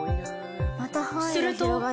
すると。